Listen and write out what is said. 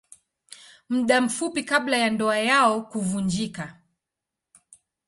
Muda mfupi kabla ya ndoa yao kuvunjika.